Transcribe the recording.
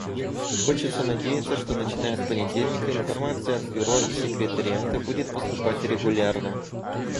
Хочется надеяться, что начиная с понедельника информация от Бюро и секретариата будет поступать регулярно.